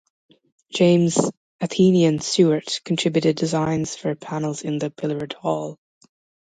James "Athenian" Stuart contributed designs for panels in the Pillared Hall.